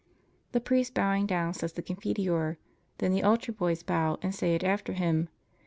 The priest, bowing down, says the Confiteor. Then the altar boys bow and say it after him.